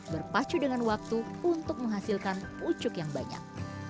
berpacu dengan waktu untuk menghasilkan pucuk yang banyak